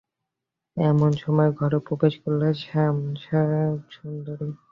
এমন সময়ে ঘরে প্রবেশ করলে শ্যামাসুন্দরী।